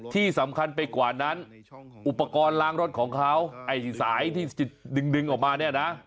ที่สำคัญไปกว่านั้นอุปกรณ์ล้างรถของเขาไอ้สายที่จะดึงออกมาเนี่ยนะ